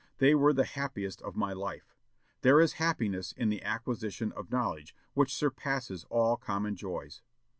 They were the happiest of my life.... There is happiness in the acquisition of knowledge, which surpasses all common joys.